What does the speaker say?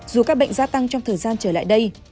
dù các bệnh gia tăng trong thời gian trở lại đây